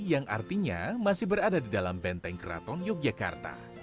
yang artinya masih berada di dalam benteng keraton yogyakarta